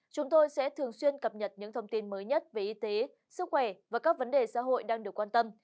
chúng tôi sẽ thường xuyên cập nhật những thông tin mới nhất về y tế sức khỏe và các vấn đề xã hội đang được quan tâm